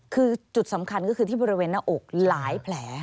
คือจุดสำคัญก็คือที่บริเวณหน้าอกหลายแผล